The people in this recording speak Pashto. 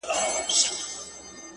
مور مي خپه ده ها ده ژاړي راته،